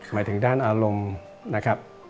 หมายถึงด้านอารมณ์นะครับ